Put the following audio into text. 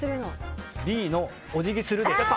Ｂのお辞儀するです。